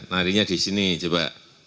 narinya disini coba